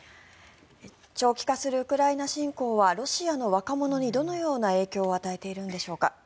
長期化するウクライナ侵攻はロシアの若者にどのような影響を与えているんでしょうか。